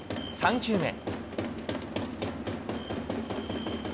３球目。